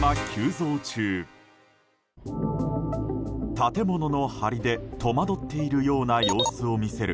建物の梁で戸惑ってるような様子を見せる